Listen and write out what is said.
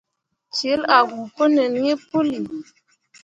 Celle a huu pu nin hi puli.